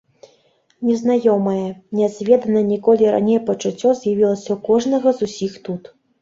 Незнаёмае, нязведанае ніколі раней пачуццё з'явілася ў кожнага з усіх тут.